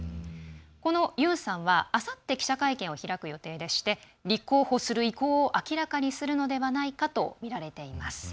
このユンさんは、あさって記者会見を開く予定でして立候補する意向を明らかにするのではないかとみられています。